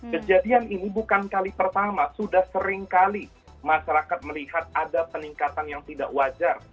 kejadian ini bukan kali pertama sudah seringkali masyarakat melihat ada peningkatan yang tidak wajar